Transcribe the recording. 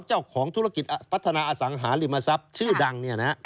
เจ้าของธุรกิจพัฒนาอสังหาริมทรัพย์ชื่อดัง